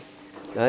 đó là lợi thế